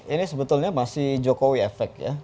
ini sebetulnya masih jokowi efek ya